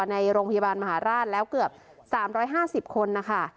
ในโรงพยาบาลมหาราชแล้วเกือบ๓๕๐คนนะคะ